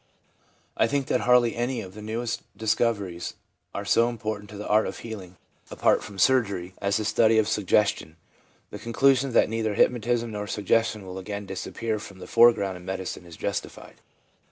I think that hardly any of the newest discoveries are so important to the art of healing, apart from surgery, as the study of suggestion. ... The con clusion that neither hypnotism nor suggestion will again disappear from the foreground in medicine is justified.